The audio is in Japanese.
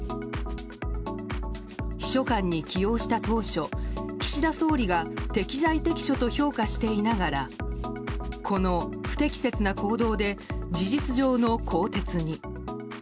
秘書官に起用した当初岸田総理が適材適所と評価していながらこの不適切な行動で事実上の更迭に。